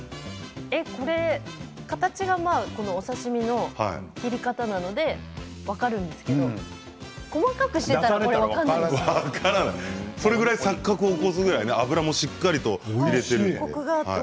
形は、お刺身の切り方なので分かるんですけれど細かくしていたらそれぐらい錯覚を起こすぐらい油もしっかり入れているので。